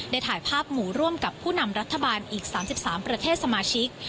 ถ่ายภาพหมู่ร่วมกับผู้นำรัฐบาลอีก๓๓ประเทศสมาชิก